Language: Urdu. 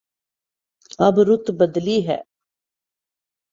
اب رت بدلی ہے۔